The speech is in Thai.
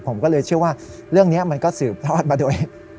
ผมก็เลยเชื่อว่าเรื่องนี้มันก็สืบทอดมาโดย